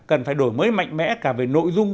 cần phải đổi mới mạnh mẽ cả về nội dung